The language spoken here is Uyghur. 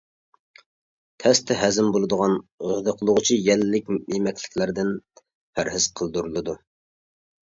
تەستە ھەزىم بولىدىغان، غىدىقلىغۇچى، يەللىك يېمەكلىكلەردىن پەرھىز قىلدۇرۇلىدۇ.